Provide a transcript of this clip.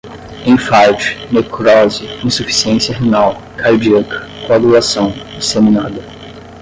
enfarte, necrose, insuficiência renal, cardíaca, coagulação, disseminada